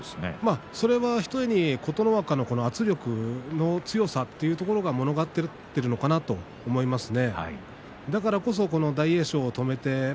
ひとえに琴ノ若の圧力の強さというところが効いていたのかと思いますね。